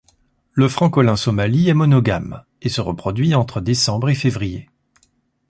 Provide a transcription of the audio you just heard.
Le Francolin somali est monogame et se reproduit entre décembre et février.